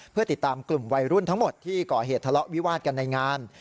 เพื่อติดตามกลุ่มวัยรุ่นทั้งหมดที่ก่อเหตุทะเลาะวิวาดกันในงาน